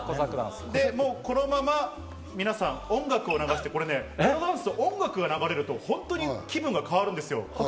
このまま皆さん音楽を流してフラダンス、音楽が流れると本当に気分が変わるんですよ。